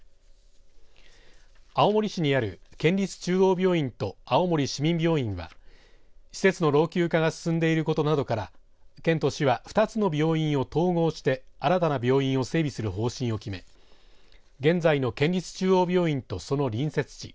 青森市にある県立中央病院と青森市民病院は施設の老朽化が進んでいることなどから県と市は２つの病院を統合して新たな病院を整備する方針を決め現在の県立中央病院とその隣接地